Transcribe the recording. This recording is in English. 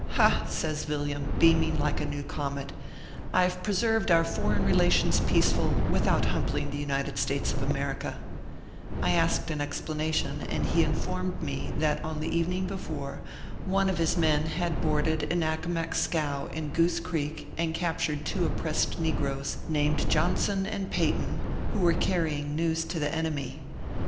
" Ha !" says Villiam, beaming like a new comet, " I ve preserved our foreign relations peaceful, without humbling the United States of America/ I asked an explanation, and he informed me that on the evening before, one of his men had boarded an Accornac scow in Goose Creek, and captured two op pressed negroes, named Johnson and Peyton, who were carrying news to the enemy.